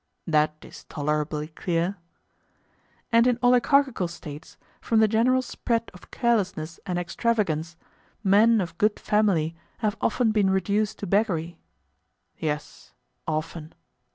That is tolerably clear. And in oligarchical States, from the general spread of carelessness and extravagance, men of good family have often been reduced to beggary? Yes, often.